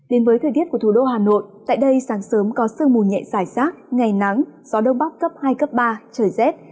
đến với thời tiết của thủ đô hà nội tại đây sáng sớm có sương mù nhẹ dài rác ngày nắng gió đông bắc cấp hai cấp ba trời rét